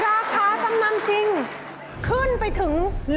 ราคาจำนำจริงขึ้นไปถึง